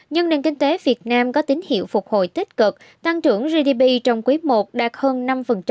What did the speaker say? nhưng nền kinh tế việt nam có tín hiệu phục hồi tích cực tăng trưởng gdp trong quý i đạt hơn năm